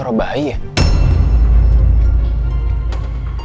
jangan jangan itu bayinya elsa